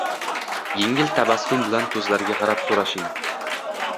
Yengil tabassum bilan ko‘zlariga qarab so‘rashing.